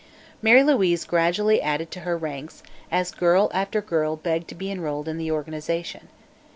Mary Louise gradually added to her ranks, as girl after girl begged to be enrolled in the organization.